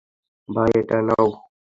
ভাই, এটা নাও।